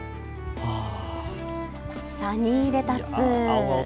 サニーレタス。